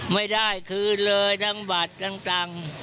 ไม่ได้คืนเลยทั้งบัตรทั้งตังค์